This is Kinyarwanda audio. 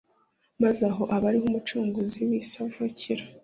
, maze aho aba ariho Umucunguzi w’isi avukira.